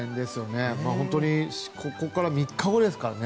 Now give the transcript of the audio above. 本当にここから３日後ですからね。